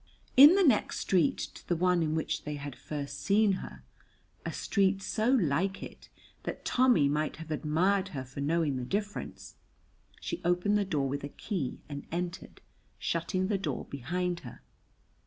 In the next street to the one in which they had first seen her, a street so like it that Tommy might have admired her for knowing the difference, she opened the door with a key and entered, shutting the door behind her.